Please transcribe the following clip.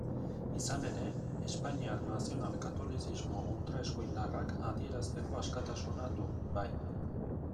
Izan ere, espainiar nazional-katolizismo ultraeskuindarrak adierazteko askatasuna du, bai.